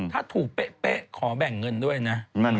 ถ้าถูกเป๊ะขอแบ่งเงินด้วยนะ